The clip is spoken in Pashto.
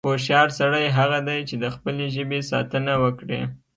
هوښیار سړی هغه دی، چې د خپلې ژبې ساتنه وکړي.